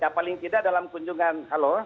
ya paling tidak dalam kunjungan halo